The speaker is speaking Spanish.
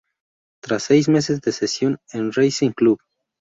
Tras seis meses de cesión en Racing Club.